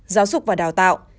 giáo dục và đào tạo